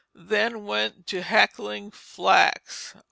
Then went to hackling flax."